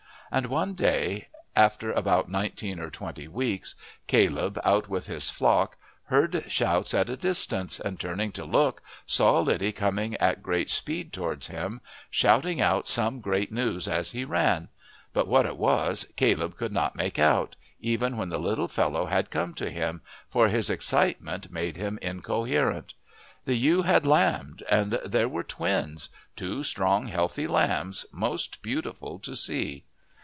And one day, after about nineteen or twenty weeks, Caleb, out with his flock, heard shouts at a distance, and, turning to look, saw Liddy coming at great speed towards him, shouting out some great news as he ran; but what it was Caleb could not make out, even when the little fellow had come to him, for his excitement made him incoherent. The ewe had lambed, and there were twins two strong healthy lambs, most beautiful to see!